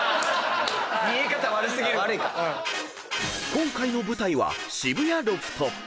［今回の舞台は渋谷ロフト］